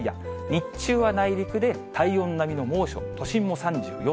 日中は内陸で体温並みの猛暑、都心も３４度。